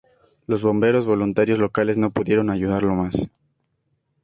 Los bomberos voluntarios locales no pudieron ayudarlo más.